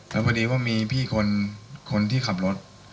แล้วพอดีว่ามีพี่คนที่ขับรถ